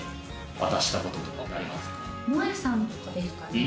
もえさんとかですかね。